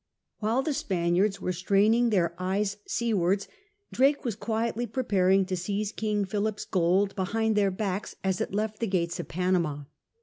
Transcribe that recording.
While the Spaniards were straining their eyes seawards, Drake was quietly preparing to seize King Philip's gold behind their backs as it left the gates of Panama.